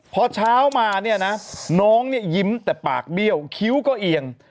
พอเช้ามาเนี่ยนะน้องเนี่ยยิ้มแต่ปากเบี้ยวคิ้วก็เอียง